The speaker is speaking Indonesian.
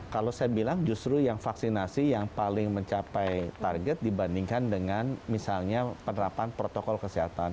kalau saya bilang justru yang vaksinasi yang paling mencapai target dibandingkan dengan misalnya penerapan protokol kesehatan